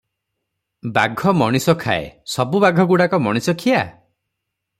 ବାଘ ମଣିଷ ଖାଏ - ସବୁବାଘ ଗୁଡ଼ାକ ମଣିଷଖିଆ?